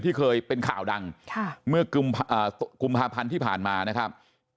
ที่เคยเป็นข่าวดังเมื่อกุมภาพันธ์ที่ผ่านมานะครับ